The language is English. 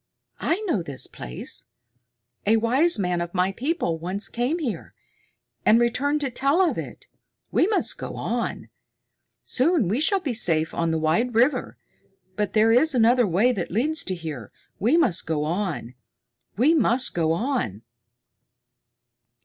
I know this place. A wise man of my people once came here, and returned to tell of it. We must go on. Soon we shall be safe on the wide river. But there is another way that leads to here. We must go on! We must go on!"